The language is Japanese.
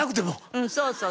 うんそうそう。